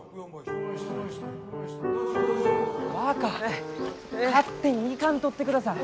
若勝手に行かんとってください！